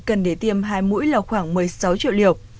cần để tiêm hai mũi là khoảng một mươi sáu triệu liều